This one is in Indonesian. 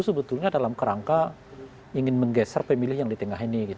sebetulnya dalam kerangka ingin menggeser pemilih yang di tengah ini